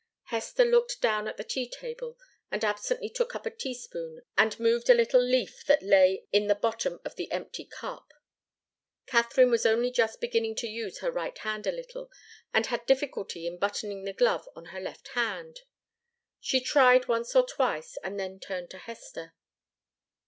Hester looked down at the tea table, and absently took up a teaspoon and moved a little leaf that lay in the bottom of the empty cup. Katharine was only just beginning to use her right hand a little, and had difficulty in buttoning the glove on her left. She tried once or twice, and then turned to Hester.